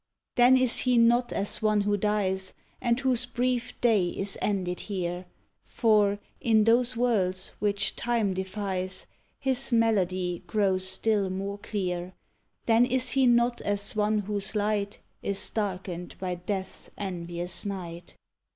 Then is he not as one who dies And whose brief day is ended here; For, in those worlds which Time defies, His melody grows still more clear; Then is he not as one whose light Is darkened by Death's envious night!